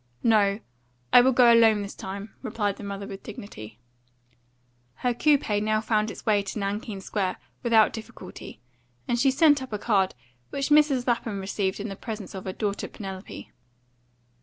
"No; I will go alone this time," replied the mother with dignity. Her coupe now found its way to Nankeen Square without difficulty, and she sent up a card, which Mrs. Lapham received in the presence of her daughter Penelope.